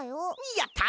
やった！